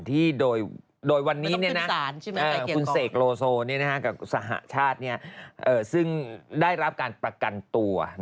ที่โดยวันนี้คุณเสกโลโซกับสหชาติซึ่งได้รับการประกันตัว